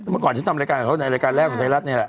เมื่อก่อนที่ทำรายการกับเขาในรายการแรกของไทยรัฐนี่แหละ